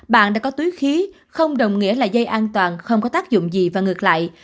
bạn đã có túi khí không đồng nghĩa là dây an toàn không có tác dụng gì và ngược lại